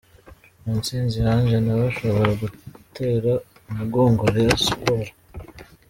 Mutsinzi Ange nawe ashobora gutera umugongo Rayon Sports.